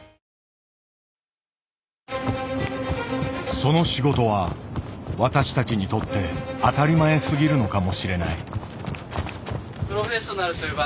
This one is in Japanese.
その仕事は私たちにとって当たり前すぎるのかもしれない。